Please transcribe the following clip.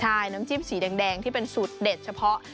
ใช่น้ำจิ้มสีแดงที่เป็นสูตรเด็ดเฉพาะ